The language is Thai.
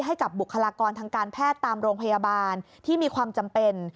ให้กับบุคลากรทางการแพทย์ตามโรงพยาบาลที่มีความจำเป็น